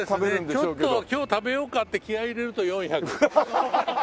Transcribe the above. ちょっと今日食べようかって気合入れると４００。